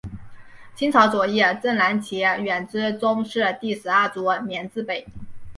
清朝左翼正蓝旗远支宗室第十二族绵字辈。